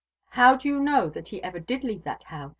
'How do you know that he ever did leave that house?'